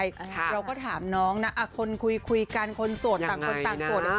เราก็ถามน้องนะคนคุยกันคนโสดต่างคนต่างโสด